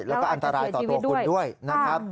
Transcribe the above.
แล้วก็อันตรายต่อตัวคุณด้วยนะครับ